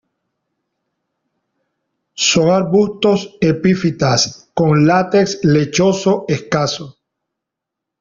Son arbustos epífitas, con látex lechoso escaso.